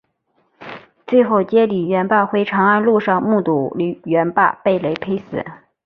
最后接李元霸回长安路上目睹元霸被雷劈死。